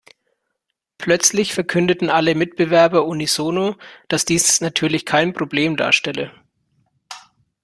Plötzlich verkündeten alle Mitbewerber unisono, dass dies natürlich kein Problem darstelle.